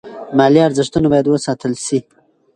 مالي ارزښتونه باید وساتل شي.